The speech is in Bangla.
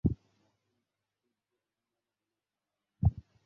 মহেন্দ্র তীব্র অভিমানে বলিয়া উঠিল, না না, আমি চাই না।